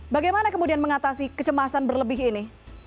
bagaimana kemudian mengatasi kecemasan berlebih ini